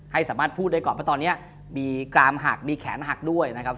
ให้สามารถพูดได้ก่อนเพราะตอนนี้มีกรามหักมีแขนหักด้วยนะครับ